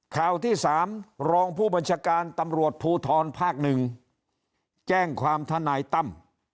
ข่าวที่๓รองผู้บัญชาการตำรวจภูทรภาค๑แจ้งความทนายตั้ม